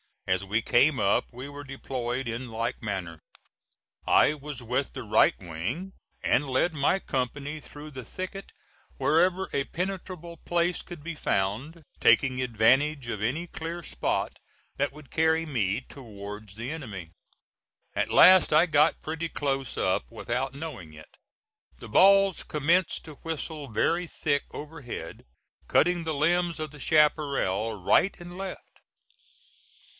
As we came up we were deployed in like manner. I was with the right wing, and led my company through the thicket wherever a penetrable place could be found, taking advantage of any clear spot that would carry me towards the enemy. At last I got pretty close up without knowing it. The balls commenced to whistle very thick overhead, cutting the limbs of the chaparral right and left.